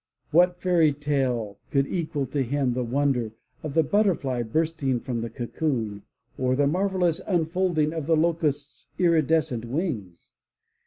What fairy tale could equal to him the wonder of the butterfly bursting from the cocoon, or the marvelous imfolding of the locust's iridescent wings?